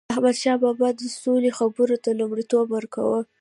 احمدشاه بابا به د سولي خبرو ته لومړیتوب ورکاوه.